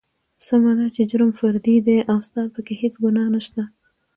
سمه ده چې جرم فردي دى او ستا پکې هېڅ ګنا نشته.